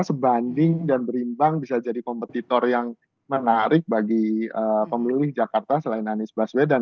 sebanding dan berimbang bisa jadi kompetitor yang menarik bagi pemilih jakarta selain anies baswedan